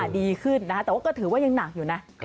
ดีขึ้นนะคะแต่ว่าก็ถือว่ายังหนักอยู่นะ